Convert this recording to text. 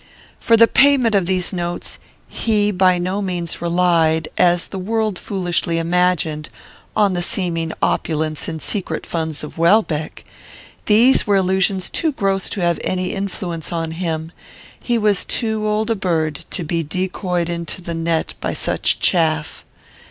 For the payment of these notes he by no means relied, as the world foolishly imagined, on the seeming opulence and secret funds of Welbeck. These were illusions too gross to have any influence on him. He was too old a bird to be decoyed into the net by such chaff.